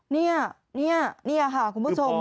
นี่คุณผู้ชม